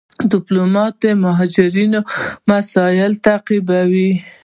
ډيپلومات د مهاجرو مسایل تعقیبوي.